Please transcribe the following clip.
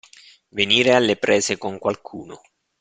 Venire alle prese con qualcuno.